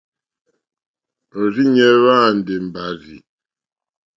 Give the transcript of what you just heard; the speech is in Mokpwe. Òrzìɲɛ́ hwá àndè mbàrzì.